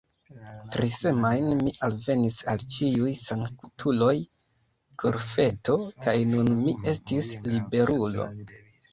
Trisemajne mi alvenis al Ĉiuj Sanktuloj Golfeto, kaj nun mi estis liberulo.